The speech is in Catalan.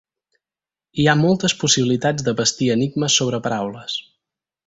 Hi ha moltes possibilitats de bastir enigmes sobre paraules.